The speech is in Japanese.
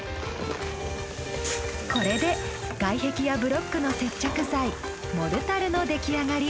これで外壁やブロックの接着剤モルタルの出来上がり。